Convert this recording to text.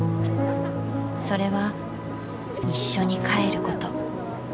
それは一緒に帰ること。